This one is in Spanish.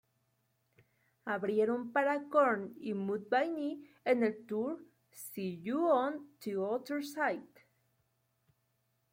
Abrieron para Korn y Mudvayne en el tour "See You on the Other Side.